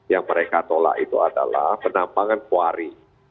yang mereka tolak itu adalah penampangan kuari